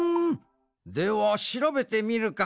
ではしらべてみるか。